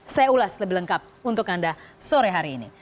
saya ulas lebih lengkap untuk anda sore hari ini